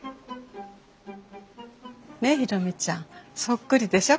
ねえ宏美ちゃんそっくりでしょ？